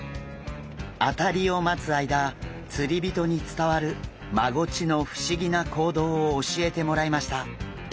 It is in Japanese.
あたりを待つ間釣り人に伝わるマゴチの不思議な行動を教えてもらいました。